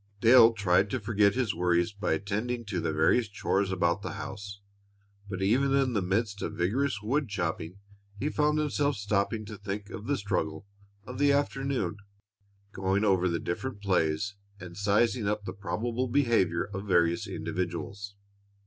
Dale tried to forget his worries by attending to the various chores about the house, but even in the midst of vigorous woodchopping he found himself stopping to think of the struggle of the afternoon, going over the different plays and sizing up the probable behavior of various individuals.